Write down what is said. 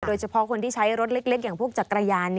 โดยเฉพาะคนที่ใช้รถเล็กอย่างพวกจักรยาน